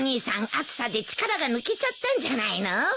暑さで力が抜けちゃったんじゃないの？